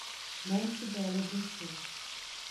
Monte Belo do Sul